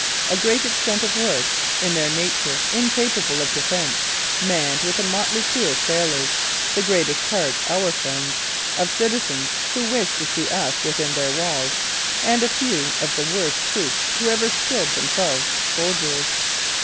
A great extent of works, in their nature incapable of defence, manned with a motley crew of sailors, the greatest part our friends; of citizens, who wish to see us within their walls, & a few of the worst troops who ever stiled themselves Soldiers.